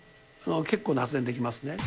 結構な発電できますね。